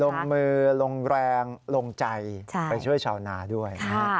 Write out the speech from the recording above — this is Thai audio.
ลงมือลงแรงลงใจไปช่วยชาวนาด้วย